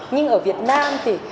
nhưng ở việt nam thì